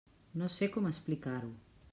No sé com explicar-ho.